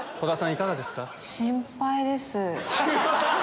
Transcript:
いかがですか？